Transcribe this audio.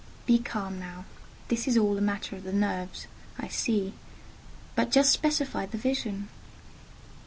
Be calm now. This is all a matter of the nerves, I see: but just specify the vision."